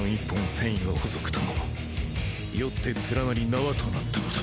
繊維は細くとも縒って連なり縄となったのだ